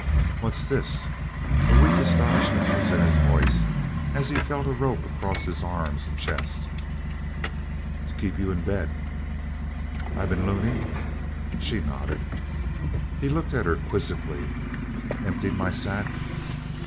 "What's this?" A weak astonishment was in his voice as he felt a rope across his arms and chest. "To keep you in bed." "I been loony?" She nodded. He looked at her quizzically. "Emptied my sack?"